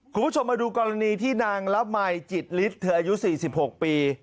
คุณผู้ชมมาดูกรณีที่นางละมัยจิตฤทธิ์เธออายุ๔๖ปี